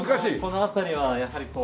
この辺りはやはりこう。